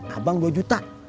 abang dua juta